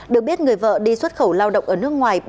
được biết người vợ đi xuất khẩu lao động ở nước ngoài